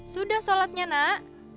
sudah sholatnya nak